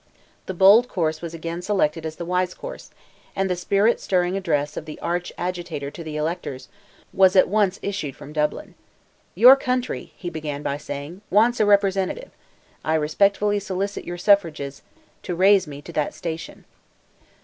The bold course was again selected as the wise course, and the spirit stirring address of "the arch Agitator" to the electors, was at once issued from Dublin. "Your county," he began by saying, "wants a representative. I respectfully solicit your suffrages, to raise me to that station.